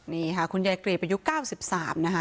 นี่ค่ะคุณยายกรีบอายุ๙๓นะคะ